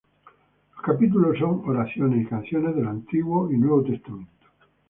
Los capítulos son oraciones y canciones del Antiguo y Nuevo Testamento.